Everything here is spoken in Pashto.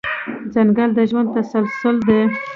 ځنګل د ژوند تسلسل دی.